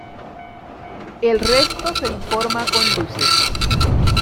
El resto se informa con luces.